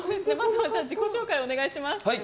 自己紹介をお願いします。